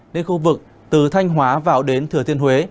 nên khu vực từ thanh hóa vào đến thừa thiên huế